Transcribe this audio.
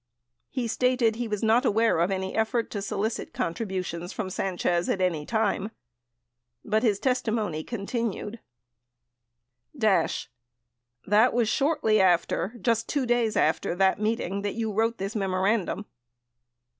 He stated he was not aware of an effort to solicit contributions from Sanchez at any time. But his testimony continued : Dash. That was shortly after — just 2 days after that meet ing that you wrote this memorandum